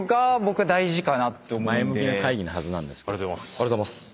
ありがとうございます。